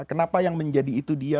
kenapa yang menjadi itu dia